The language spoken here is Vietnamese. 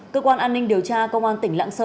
cơ quan an ninh điều tra công an tỉnh lạng sơn